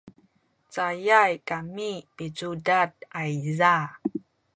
cayay kami picudad ayza